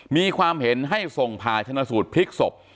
มีความเห็นให้ส่งผ่าชนะสูตรพลิกศพ